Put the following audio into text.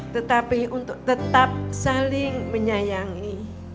tetapi untuk tetap saling menyayangi